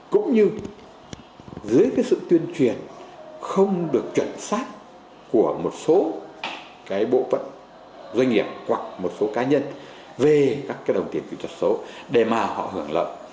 cũng như dưới cái sự tuyên truyền không được chuẩn xác của một số cái bộ phận doanh nghiệp hoặc một số cá nhân về các cái đồng tiền kỹ thuật số để mà họ hưởng lợi